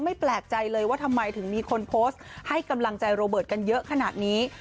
แปลกใจเลยว่าทำไมถึงมีคนโพสต์ให้กำลังใจโรเบิร์ตกันเยอะขนาดนี้